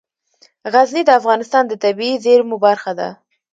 غزني د افغانستان د طبیعي زیرمو برخه ده.